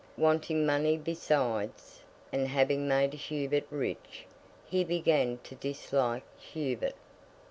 Wanting money besides, and having made Hubert rich, he began to dislike Hubert.